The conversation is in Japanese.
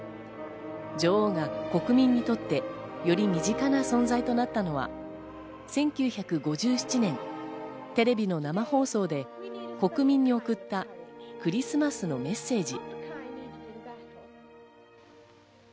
女王が国民にとってより身近な存在となったのは１９５７年、テレビの生放送で国民に送ったクリスマスのメッセージ。